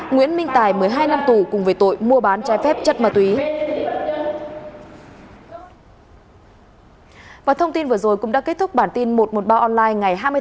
nguyễn minh tài một mươi hai năm tù cùng với tội mua bán chai phép chất ma túy